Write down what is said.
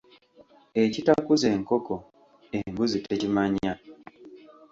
Ekitakuza enkoko, embuzi tekimanya.